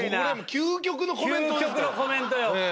究極のコメントよ。